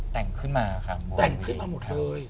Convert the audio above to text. แต่งขึ้นมาค่ะบวงเวร